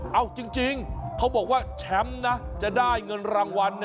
เอาจริงเขาบอกว่าแชมป์นะจะได้เงินรางวัล